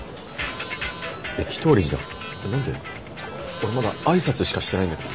俺まだ挨拶しかしてないんだけど。